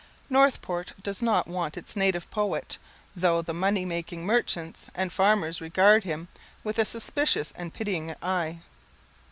Northport does not want its native poet, though the money making merchants and farmers regard him with a suspicious and pitying eye.